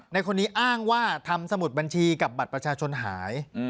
ในคนนี้อ้างว่าทำสมุดบัญชีกับบัตรประชาชนหาย